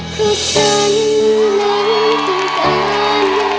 เพราะฉันเหมือนต้องการ